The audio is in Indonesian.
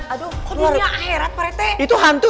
aduh kok dunia akhirat pak rete itu hantu